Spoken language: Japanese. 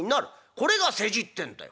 これが世辞ってんだよ」。